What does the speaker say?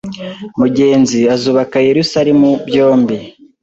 Mugenzi azubaka Yerusalemu Byombi